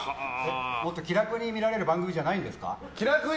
もっと気楽に見られる番組じゃないんですか？